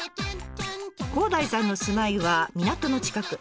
広大さんの住まいは港の近く。